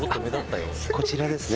こちらですね。